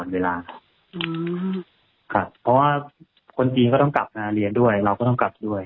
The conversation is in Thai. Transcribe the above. เวลาครับเพราะว่าคนจีนก็ต้องกลับมาเรียนด้วยเราก็ต้องกลับด้วย